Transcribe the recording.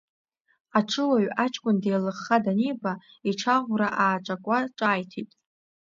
Аҽуаҩ аҷкәын деилыхха даниба, иҽаӷәра ааҿакуа ҿааиҭит…